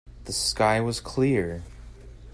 The sky was clear.